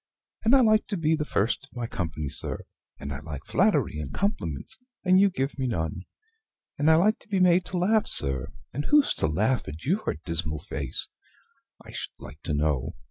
And I like to be the first of my company, sir; and I like flattery and compliments, and you give me none; and I like to be made to laugh, sir, and who's to laugh at YOUR dismal face, I should like to know?